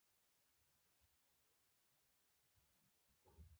لوستې میندې لوستی کول تربیه کوي